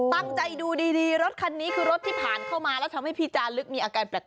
ตั้งใจดูดีรถคันนี้คือรถที่ผ่านเข้ามาแล้วทำให้พี่จาลึกมีอาการแปลก